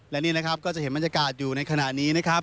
และนี่นะครับก็จะเห็นบรรยากาศอยู่ในขณะนี้นะครับ